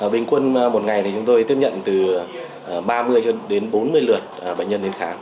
bình quân một ngày thì chúng tôi tiếp nhận từ ba mươi cho đến bốn mươi lượt bệnh nhân đến khám